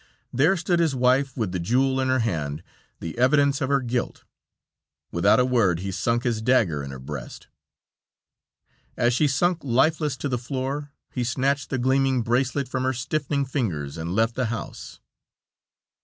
There stood his wife with the jewel in her hand, the evidence of her guilt. Without a word he sunk his dagger in her breast. As she sunk lifeless to the floor, he snatched the gleaming bracelet from her stiffening fingers and left the house.